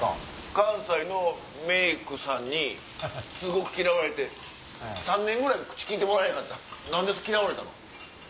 関西のメイクさんにすごく嫌われて３年ぐらい口利いてもらえへんかったって何で嫌われたの？